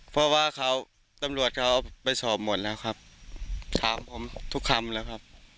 เพราะว่าเขาตำรวจเขาไปสอบหมดแล้วครับถามผมทุกคำแล้วครับ